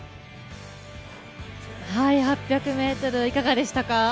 ８００ｍ、いかがでしたか？